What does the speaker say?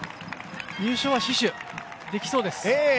入賞は死守できそうです。